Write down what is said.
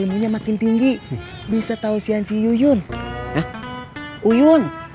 ilmunya makin tinggi bisa tahu sian si uyun uyun